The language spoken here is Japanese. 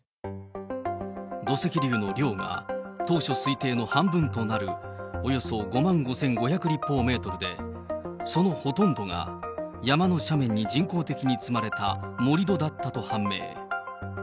土石流の量が当初推定の半分となる、およそ５万５５００立方メートルで、そのほとんどが山の斜面に人工的に積まれた盛り土だったと判明。